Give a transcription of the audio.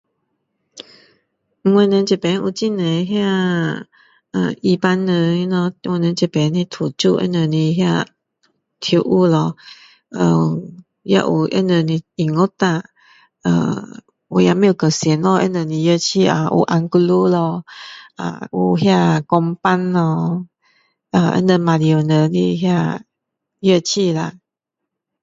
我们这边有很多那个伊帮人咯我们这边的土著他们的那个跳舞咯呃也有他们的音乐啦呃我也不懂叫什么他们的乐器呀有 angulu 咯呃有哪个 gombang 咯他们马来人的哪个月琴啦